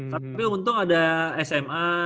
tapi untung ada sma